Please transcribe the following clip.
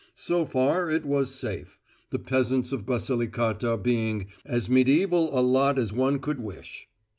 So far, it was safe, the peasants of Basilicata being "as medieval a lot as one could wish."